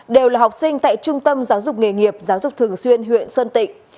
đều là học sinh tại trung tâm giáo dục nghề nghiệp giáo dục thường xuyên huyện sơn tịnh